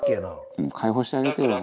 「もう解放してあげてよ。